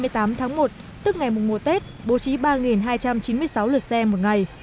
tức ngày mùa tết bố trí ba hai trăm chín mươi sáu lượt xe một ngày